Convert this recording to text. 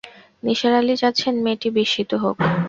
নিসার আলি চাচ্ছেন মেয়েটি বিস্মিত হোক।